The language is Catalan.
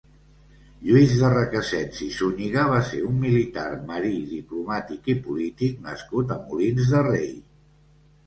Lluís de Requesens i Zúñiga va ser un militar, marí, diplomàtic i polític nascut a Molins de Rei.